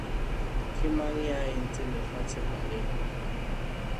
Ke mang ya entseng lefatshe paleng?